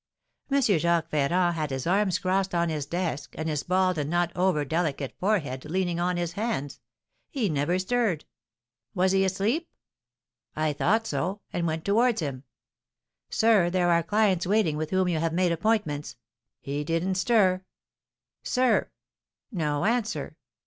"M. Jacques Ferrand had his arms crossed on his desk, and his bald and not overdelicate forehead leaning on his hands. He never stirred." "Was he asleep?" "I thought so, and went towards him: 'Sir, there are clients waiting with whom you have made appointments.' He didn't stir. 'Sir!' No answer.